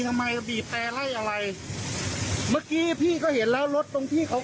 ทำไมบีบแต่ไล่อะไรเมื่อกี้พี่ก็เห็นแล้วรถตรงที่เขา